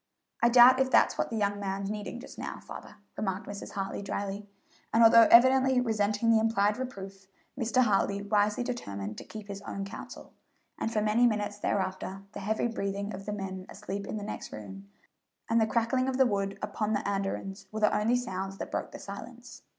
"I doubt if that's what the young man's needing just now, father," remarked Mrs. Hartley dryly; and although evidently resenting the implied reproof, Mr. Hartley wisely determined to keep his own counsel; and for many minutes thereafter the heavy breathing of the men asleep in the next room and the crackling of the wood upon the andirons were the only sounds that broke the silence.